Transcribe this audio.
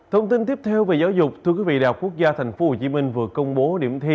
thông tin tiếp theo về giáo dục thưa quý vị đại học quốc gia tp hcm vừa công bố điểm thi